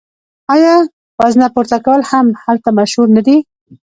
آیا وزنه پورته کول هم هلته مشهور نه دي؟